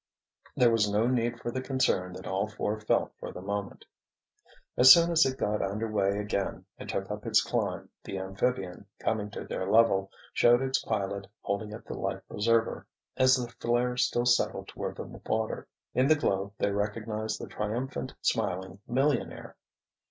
There was no need for the concern that all four felt for the moment. As soon as it got under way again and took up its climb, the amphibian, coming to their level, showed its pilot holding up the life preserver, as the flare still settled toward the water. In the glow they recognized the triumphant, smiling millionaire.